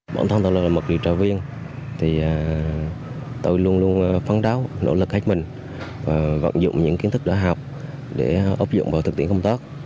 bản thân tôi là một điều tra viên tôi luôn luôn phán đấu nỗ lực hết mình và vận dụng những kiến thức đã học để áp dụng vào thực tiễn công tác